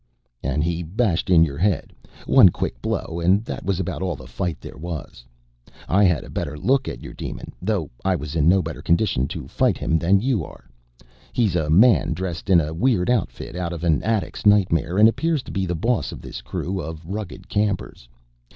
"And he bashed in your head, one quick blow and that was about all the fight there was. I had a better look at your demon, though I was in no better condition to fight him than you were. He's a man dressed in a weird outfit out of an addict's nightmare and appears to be the boss of this crew of rugged campers.